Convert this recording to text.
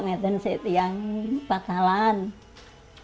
saya harus berhenti di patah lantai